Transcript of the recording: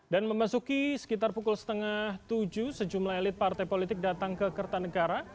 dan memasuki sekitar pukul setengah tujuh sejumlah elit partai politik datang ke kertanegara